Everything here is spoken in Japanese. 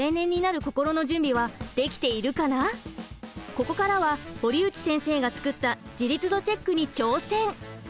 ここからは堀内先生が作った自立度チェックに挑戦！